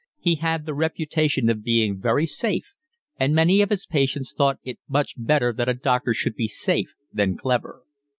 He had the reputation of being very safe, and many of his patients thought it much better that a doctor should be safe than clever.